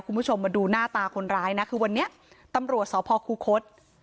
คุณผู้ชมมาดูหน้าตาคนร้ายนะคือวันนี้ตำรวจสพคูคศ